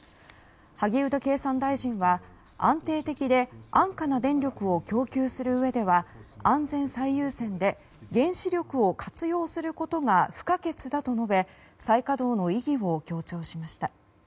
萩生田経産大臣は安定的で安価な電力を供給するうえでは安全最優先で原子力を活用することが不可欠だと述べ再稼働の意義を強調しました。